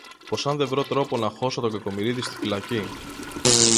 πως αν δε βρω τρόπο να χώσω τον Κακομοιρίδη στη φυλακή